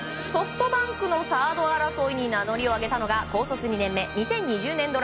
ソフトバンクのサード争いに名乗りを上げたのが高卒２年目２０２０年